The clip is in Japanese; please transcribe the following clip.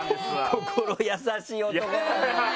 心優しい男だな。